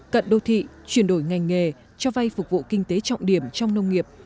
cận đô thị chuyển đổi ngành nghề cho vay phục vụ kinh tế trọng điểm trong nông nghiệp